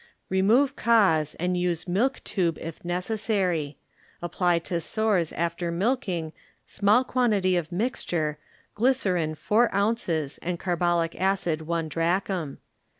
Remove cause and use milk tube if necessary; apply to sores after milking small quantity of mixture gly cerine four ounces and carbolic acid one drachm.